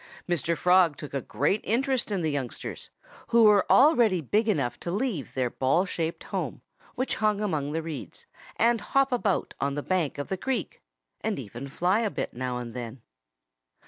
Mr. Frog took a great interest in the youngsters, who were already big enough to leave their ball shaped home, which hung among the reeds, and hop about on the bank of the creek and even fly a bit now and then.